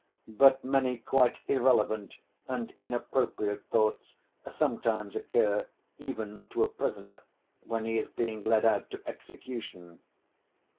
But many quite irrelevant and inappropriate thoughts sometimes occur even to a prisoner when he is being led out to execution.